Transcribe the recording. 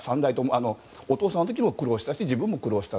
お父さんの時も苦労したし自分も苦労した。